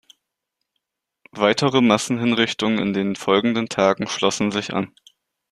Weitere Massenhinrichtungen in den folgenden Tagen schlossen sich an.